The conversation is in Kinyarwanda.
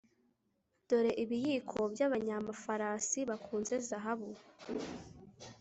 Dore ibiyiko byabanyamafarasi bafunze zahabu